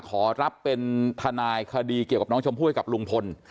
ขอรับเป็นทนายคดีเกี่ยวกับน้องชมพู่ให้กับลุงพล